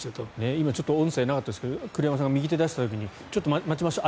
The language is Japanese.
今、ちょっと音声なかったでしたが栗山監督が右手を出した時にちょっと待ちましょう